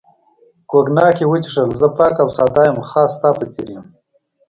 کوګناک یې وڅښل، زه پاک او ساده یم، خاص ستا په څېر یم.